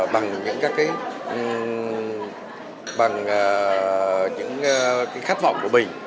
bằng những khát vọng của mình